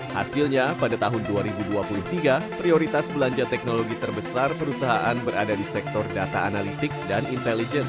hasilnya pada tahun dua ribu dua puluh tiga prioritas belanja teknologi terbesar perusahaan berada di sektor data analitik dan intelijen